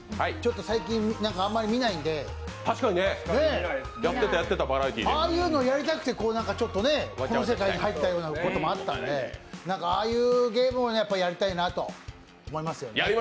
最近あんまり見ないのでああいうのやりたくてこの世界に入ったこともあったのでああいうゲームをやりたいなと思いますよね。